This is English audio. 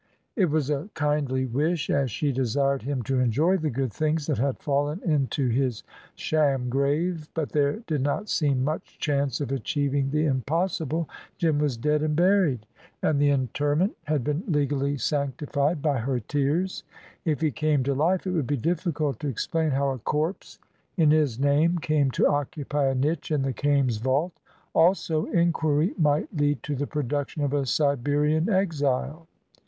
It was a kindly wish, as she desired him to enjoy the good things that had fallen into his sham grave. But there did not seem much chance of achieving the impossible. Jim was dead and buried, and the interment had been legally sanctified by her tears. If he came to life it would be difficult to explain how a corpse in his name came to occupy a niche in the Kaimes vault. Also, inquiry might lead to the production of a Siberian exile.